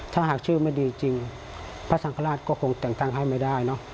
ถ้าหากชื่อไม่ดีจริงพระสังฆราชก็คงแต่งตั้งให้ไม่ได้เนอะ